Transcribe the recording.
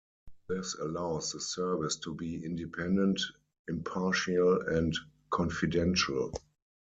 This allows the service to be independent, impartial and confidential.